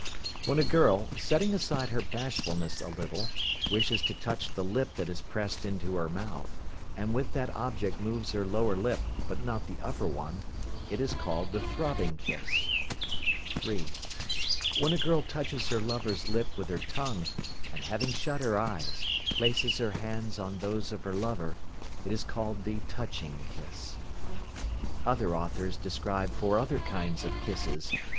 When a girl, setting aside her bashfulness a little, wishes to touch the lip that is pressed into her mouth, and with that object moves her lower lip, but not the upper one, it is called the "throbbing kiss." (3). When a girl touches her lover's lip with her tongue, and having shut her eyes, places her hands on those of her lover, it is called the "touching kiss." Other authors describe four other kinds of kisses, viz.